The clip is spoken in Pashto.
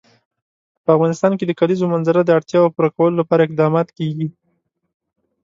په افغانستان کې د کلیزو منظره د اړتیاوو پوره کولو لپاره اقدامات کېږي.